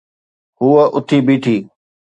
هوءَ اٿي بيٺي.